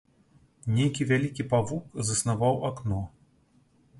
Нейкі вялікі павук заснаваў акно.